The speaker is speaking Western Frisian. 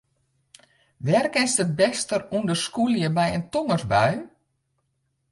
Wêr kinst it bêste ûnder skûlje by in tongerbui?